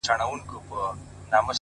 o لاس يې د ټولو کايناتو آزاد؛ مړ دي سم؛